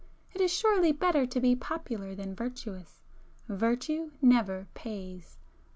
It is surely better to be popular than virtuous,—virtue never pays!